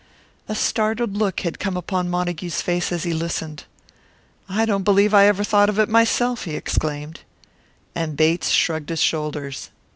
A startled look had come upon Montague's face as he listened. "I don't believe I ever thought of it myself!" he exclaimed. And Bates shrugged his shoulders.